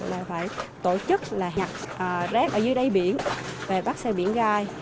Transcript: là phải tổ chức nhặt rác ở dưới đáy biển và bắt xa biển gai